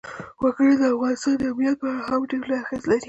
وګړي د افغانستان د امنیت په اړه هم ډېر لوی اغېز لري.